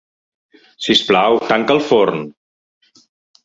Sisplau, tanca el forn.